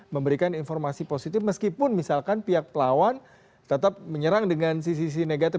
memberikan informasi positif meskipun misalkan pihak pelawan tetap menyerang dengan sisi sisi negatif